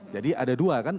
jadi ada dua kan